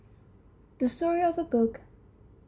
THE STORY OF A BOOK I.